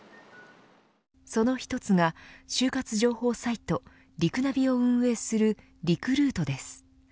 その一つが、就活情報サイトリクナビを運営するリクルートです。